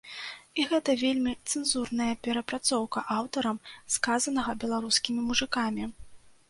І гэта вельмі цэнзурная перапрацоўка аўтарам сказанага беларускімі мужыкамі.